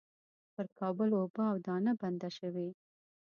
پر کابل اوبه او دانه بنده شوې.